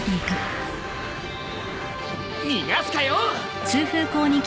逃がすかよ！